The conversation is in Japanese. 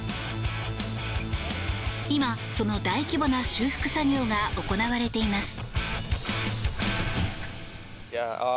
今、その大規模な修復作業が行われています。